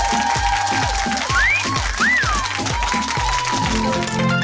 ชอบจะรักผู้ชายรักครอบครัว